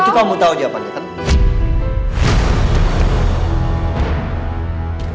itu kamu tahu jawabannya kan